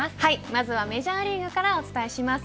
まずはメジャーリーグからお伝えします。